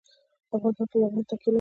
افغانستان په بامیان باندې تکیه لري.